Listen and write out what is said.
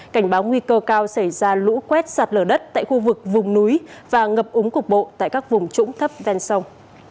cảnh báo nguy cơ cao xảy ra lũ quét sạt lở đất tại khu vực vùng núi và ngập úng cục bộ tại các vùng trũng thấp ven sông